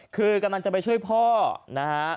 คือกำลังจะไปช่วยพ่อนะฮะ